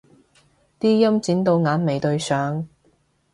啲陰剪到眼眉對上